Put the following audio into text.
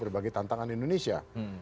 berbagai tantangan indonesia